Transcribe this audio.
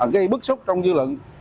gây bức xúc trong dư luận